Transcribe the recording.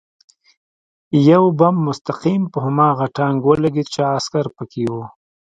یو بم مستقیم په هماغه ټانک ولګېد چې عسکر پکې و